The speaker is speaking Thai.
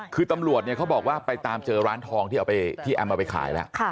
คือตำรวจเนี่ยเขาบอกว่าไปตามเจอร้านทองที่เอาไปที่แอมเอาไปขายแล้ว